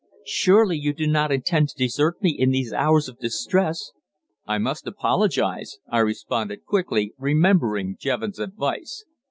"Surely you do not intend to desert me in these hours of distress?" "I must apologise," I responded quickly, remembering Jevons' advice.